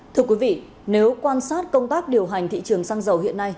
thưa quý vị nếu quan sát công tác điều hành thị trường xăng dầu hiện nay